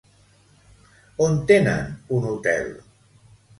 On tenen un hotel?